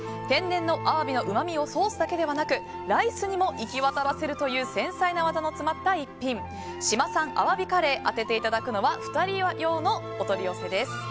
天然のアワビのうまみをソースだけではなくライスにも行き渡らせるという繊細な技の詰まった逸品志摩産鮑カレー当てていただくのは２人用のお取り寄せです。